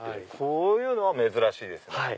こういうのは珍しいですね。